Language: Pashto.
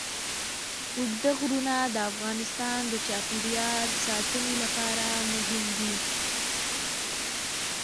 اوږده غرونه د افغانستان د چاپیریال ساتنې لپاره مهم دي.